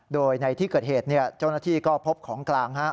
โดยในที่เกิดเหตุเจ้าหน้าที่ก็พบของกลาง